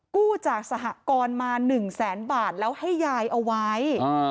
กู้จากสหกรณ์มา๑แสนบาทแล้วให้ยายเอาไว้